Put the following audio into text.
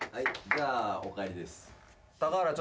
じゃあお帰りです。